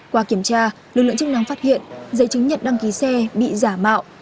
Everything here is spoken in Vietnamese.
qua kiểm tra lực lượng chức năng phát hiện giấy chứng nhận đăng ký xe bị giả mạo